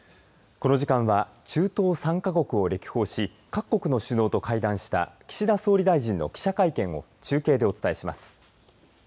この時間は、中東３か国を歴訪し、各国の首脳と会談した岸田総理大臣の記者会見を中継でお伝えします。